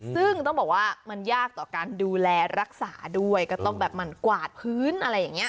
ซึ่งต้องบอกว่ามันยากต่อการดูแลรักษาด้วยก็ต้องแบบมันกวาดพื้นอะไรอย่างนี้